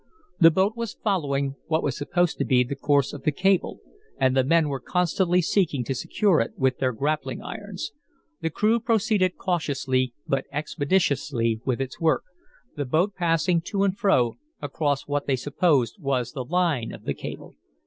The boat was following what was supposed to be the course of the cable, and the men were constantly seeking to secure it with their grappling irons. The crew proceeded cautiously but expeditiously with its work, the boat passing to and fro across what they supposed was the line of the cable.